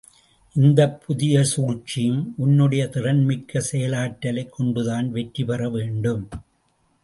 இந்தப் புதிய சூழ்ச்சியும் உன்னுடைய திறன்மிக்க செயலாற்றலைக் கொண்டுதான் வெற்றிபெற வேண்டும்.